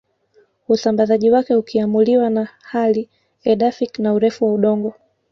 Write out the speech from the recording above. Usambazaji wake ukiamuliwa na hali edaphic na urefu wa udongo